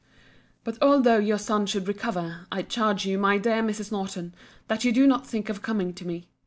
But although your son should recover, I charge you, my dear Mrs. Norton, that you do not think of coming to me.